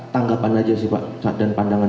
tanggapan aja sih pak dan pandangan